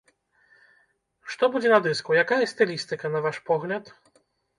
Што будзе на дыску, якая стылістыка, на ваш погляд?